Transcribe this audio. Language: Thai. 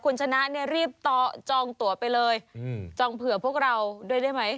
คนชนะเนี่ยรีบต่อจองตั๋วไปเลยอืมจองเผื่อพวกเราได้ได้ไหม